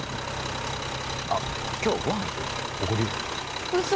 あ今日ご飯行く？おごるようそ！